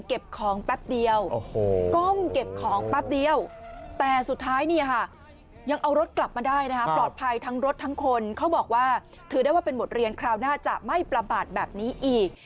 เก็บของแป๊บเดียวก้มเก็บของแป๊บเดียวแต่สุดท้ายเนี่ยค่ะยังเอารถกลับมาได้นะคะปลอดภัยทั้งรถทั้งคนเขาบอกว่าถือได้ว่าเป็นบทเรียนคราวหน้าจะไม่ประมาทแบบนี้อีก